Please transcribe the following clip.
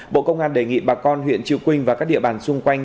bộ công an đề nghị bà con huyện chư quynh và các địa bàn xung quanh